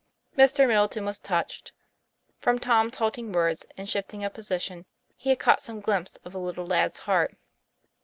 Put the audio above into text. Mr. Middleton was touched. From Tom's halting words and shifting of position he had caught some glimpse of the little lad's heart.